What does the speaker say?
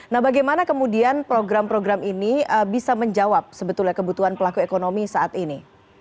nah bagaimana kemudian program program ini bisa menjawab sebetulnya kebutuhan pelaku ekonomi saat ini